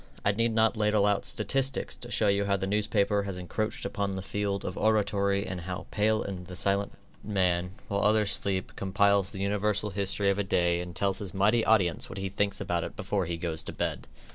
I need not ladle out statistics to show you how the newspaper has encroached upon the field of oratory and how the pale and silent man, while others sleep, compiles the universal history of a day and tells his mighty audience what he thinks about it before he goes to bed.